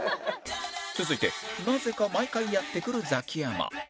続いてなぜか毎回やって来るザキヤマ